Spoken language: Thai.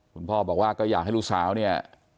คุณพ่อบอกว่าก็อยากให้ลูกสาวเนี่ย